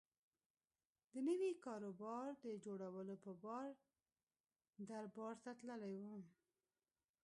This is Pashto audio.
د نوي کاروبار د جوړولو په پار دربار ته تللی و.